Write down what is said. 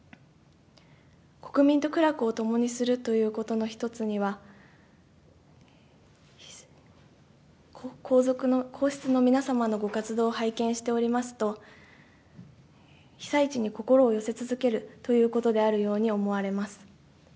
国民と苦楽を共にするということの一つには、皇室の皆様のご活動を拝見しておりますと、被災地に心を寄せ続けるということであるように思われます。